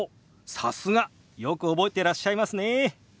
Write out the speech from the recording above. さすが！よく覚えてらっしゃいますね。